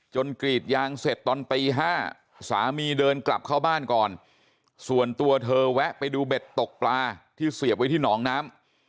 กรีดยางเสร็จตอนตี๕สามีเดินกลับเข้าบ้านก่อนส่วนตัวเธอแวะไปดูเบ็ดตกปลาที่เสียบไว้ที่หนองน้ำ